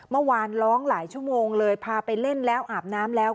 เมื่อวานร้องหลายชั่วโมงเลยพาไปเล่นแล้วอาบน้ำแล้ว